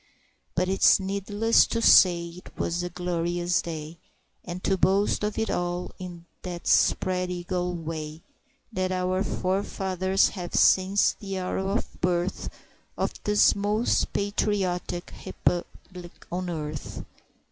But it's needless to say 'twas a glorious day, And to boast of it all in that spread eagle way That our forefathers have since the hour of birth Of this most patriotic republic on earth!